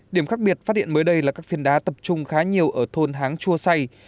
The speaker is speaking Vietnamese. điểm khác biệt phát hiện mới đây là các phiên đá tập trung khá nhiều ở thôn háng chua say